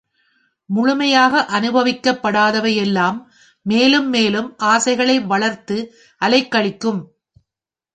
முழுமையாக அனுபவிக்கப்படாதவை எல்லாம் மேலும் மேலும் ஆசைகளை வளர்த்து அலைக்கழிக்கும்.